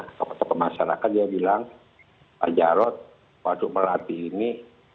tokoh tokoh masyarakat dia bilang pak jarod waduk melati ini